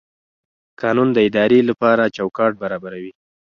قانون د ادارې لپاره چوکاټ برابروي.